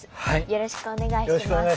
よろしくお願いします。